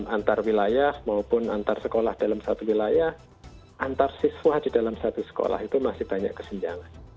antar wilayah maupun antar sekolah dalam satu wilayah antar siswa di dalam satu sekolah itu masih banyak kesenjangan